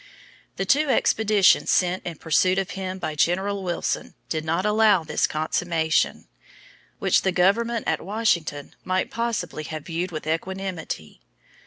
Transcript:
The two expeditions sent in pursuit of him by General Wilson did not allow this consummation, which the government at Washington might possibly have viewed with equanimity.